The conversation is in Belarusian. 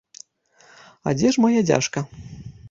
А дзе ж мая дзяжка?